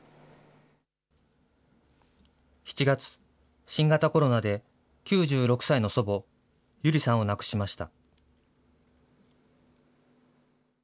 ７月、新型コロナで９６歳の祖母、百合さんを亡くしました。